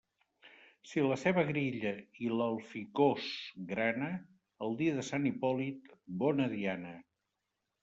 Si la ceba grilla i l'alficòs grana, el dia de Sant Hipòlit, bona diana.